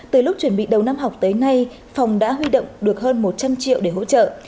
từ lúc chuẩn bị đầu năm học tới nay phòng đã huy động được hơn một trăm linh triệu để hỗ trợ